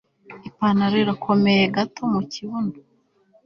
Ipantaro irakomeye gato mukibuno